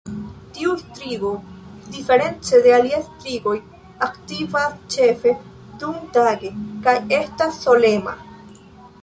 Tiu strigo, diference de aliaj strigoj, aktivas ĉefe dumtage kaj estas solema.